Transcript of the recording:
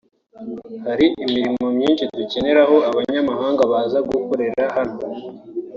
Hari imirimo myinshi dukeneraho abanyamahanga baza gukorera hano